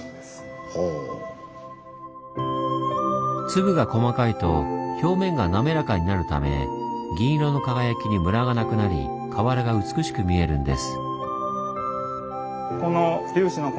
粒が細かいと表面がなめらかになるため銀色の輝きにムラがなくなり瓦が美しく見えるんです。